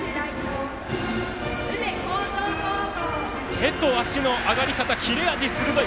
手と足の上がり方切れ味も鋭い！